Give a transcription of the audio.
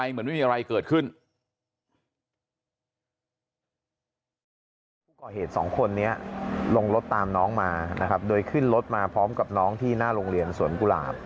ผู้ก่อเหตุสองคนนี้ลงรถตามน้องมานะครับโดยขึ้นรถมาพร้อมกับน้องที่หน้าโรงเรียนสวนกุหลาบ